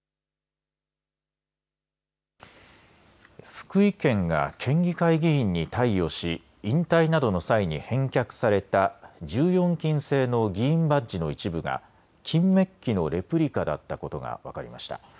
福井県が県議会議員に貸与し引退などの際に返却された１４金製の議員バッジの一部が金メッキのレプリカだったことが分かりました。